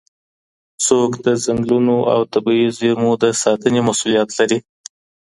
څوک د ځنګلونو او طبیعي زیرمو د ساتني مسوولیت لري؟